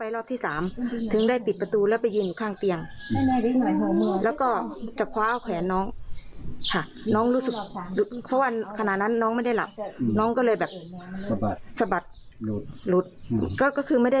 น้องเรียกแหม่วิ่งออกมา